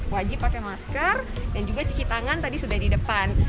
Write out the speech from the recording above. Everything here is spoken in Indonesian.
wajib pakai masker dan juga cuci tangan tadi sudah di depan